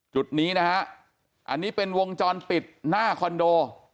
จุดนี้นะฮะอันนี้เป็นวงจรปิดหน้าคอนโด